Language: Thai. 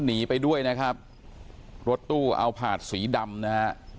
หนีไปด้วยนะครับรถตู้เอาผาดสีดำนะฮะ